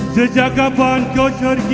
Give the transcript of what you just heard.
sejak kapan kau pergi